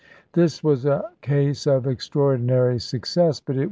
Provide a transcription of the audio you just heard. This was a case of extraordinary success, but it was Chap.